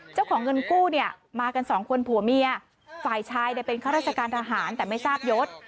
เจ้าของเงินกู้เนี่ยมากันสองคนผัวเมียฝ่ายชายเนี่ยเป็นข้าราชการทหารแต่ไม่ทราบยศ